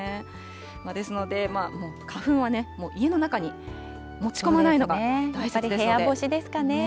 ですので、花粉はもう家の中に持ち込まないのが大切ですので。